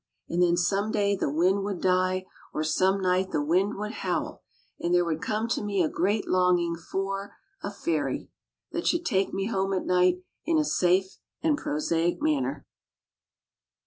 And then some day the wind would die or some night the wind would howl and there would come to me a great longing for or a ferry that should take me home at night in a safe and prosaic manner.